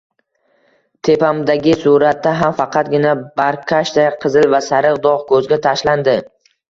Tepamdagi suratda ham faqatgina barkashday qizil va sariq dog` ko`zga tashlandi